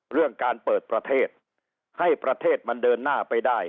เรื่องการเปิดประเทศให้ประเทศมันเดินหน้าไปได้